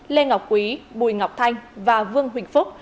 lê ngọc quý bùi ngọc thanh và vương huỳnh phúc